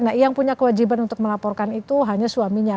nah yang punya kewajiban untuk melaporkan itu hanya suaminya